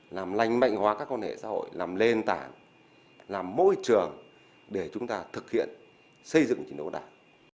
làm lành mạnh hóa các con hệ xã hội làm lên tảng làm môi trường để chúng ta thực hiện xây dựng chính đồng đảng